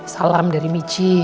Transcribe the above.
salam dari michi